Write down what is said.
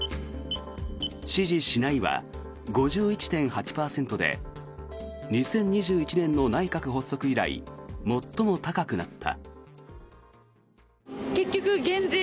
支持しないは５１．８％で２０２１年の内閣発足以来最も高くなった。